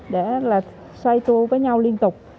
để xoay tu với nhau liên tục